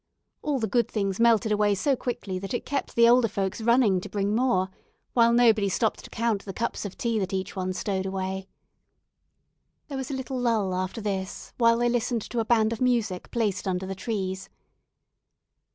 All the good things melted away so quickly that it kept the older folks running to bring more, while nobody stopped to count the cups of tea that each one stowed away. There was a little lull after this, while they listened to a band of music placed under the trees.